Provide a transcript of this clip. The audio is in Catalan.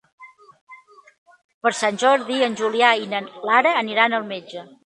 Per Sant Jordi en Julià i na Lara aniran al metge.